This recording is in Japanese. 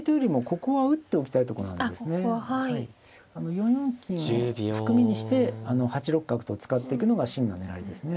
４四金を含みにして８六角と使っていくのが真の狙いですね。